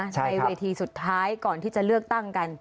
ในเวทีสุดท้ายก่อนที่จะเลือกตั้งกัน